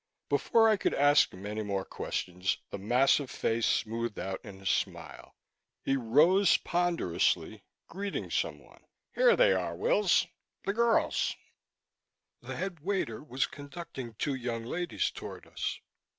Before I could ask him any more questions, the massive face smoothed out in a smile. He rose ponderously, greeting someone. "Here they are, Wills," he said jovially. "The girls!" The headwaiter was conducting two young ladies toward us.